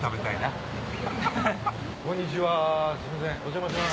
こんにちはすいませんお邪魔します。